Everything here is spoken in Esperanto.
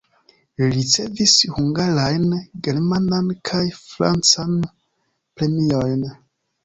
Li ricevis hungarajn, germanan kaj francan premiojn.